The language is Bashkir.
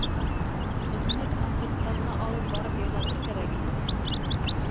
Хөкүмәт концерттарына алып барып йырлатыр кәрәк ине.